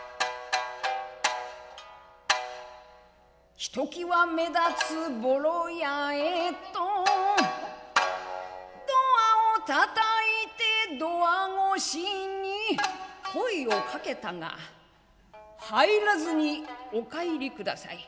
ひときわ目立つぼろ家へとドアをたたいてドア越しに声をかけたが「入らずにお帰りください。